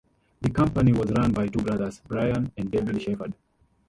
The company was run by two brothers, Bryan and David Shepherd.